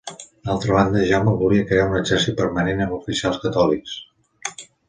D'altra banda, Jaume volia crear un exèrcit permanent amb oficials catòlics.